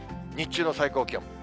日中の最高気温。